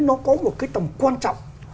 nó có một cái tầm quan trọng